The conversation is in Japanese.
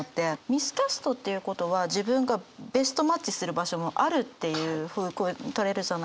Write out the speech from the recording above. ミスキャストっていうことは自分がベストマッチする場所もあるっていうふうにとれるじゃないですか。